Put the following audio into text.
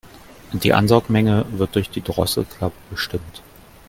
Die Ansaugmenge wird durch die Drosselklappe bestimmt.